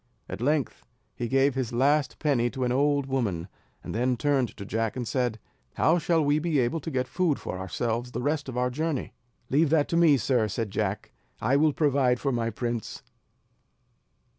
At length he gave his last penny to an old woman, and then turned to Jack, and said: "How shall we be able to get food for ourselves the rest of our journey?" "Leave that to me sir," said Jack; "I will provide for my prince."